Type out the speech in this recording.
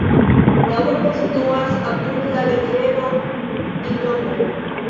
La urbo situas apud la rivero Ilm.